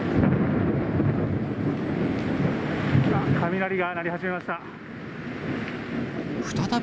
雷が鳴り始めました。